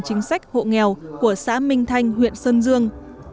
chính sách hộ nghèo của xã minh thanh huyện sơn dương